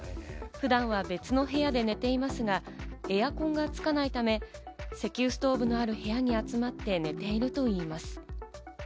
普段は別の部屋で寝ていますが、エアコンがつかないため、石油ストーブのある部屋に集まって寝ているといいます。